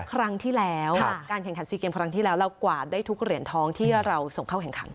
ครั้งที่แล้วการแข่งขัน๔เกมครั้งที่แล้วเรากวาดได้ทุกเหรียญทองที่เราส่งเข้าแข่งขัน